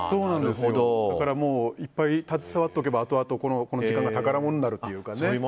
だから、いっぱい携わっておけばあとあと、この時間が宝物になるというかね。